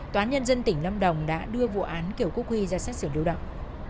tòa án nhân dân tỉnh năm đồng đã đưa vụ án kiều quốc huy ra sát xử lưu động